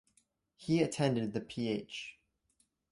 He attended the Ph.